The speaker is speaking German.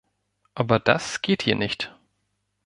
Aber das geht hier nicht.